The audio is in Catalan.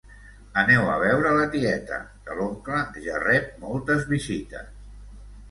Aneu a veure la tieta, que l'oncle ja rep moltes visites